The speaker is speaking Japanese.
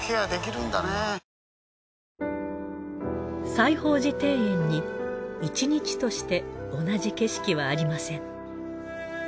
『西芳寺庭園』に１日として同じ景色はありません。